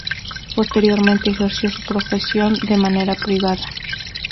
Posteriormente ejerció su profesión de manera privada.